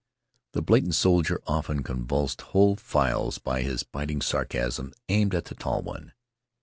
The blatant soldier often convulsed whole files by his biting sarcasms aimed at the tall one.